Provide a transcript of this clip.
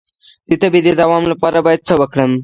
د تبې د دوام لپاره باید څه وکړم؟